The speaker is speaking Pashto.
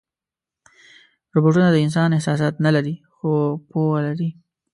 روبوټونه د انسان احساسات نه لري، خو پوهه لري.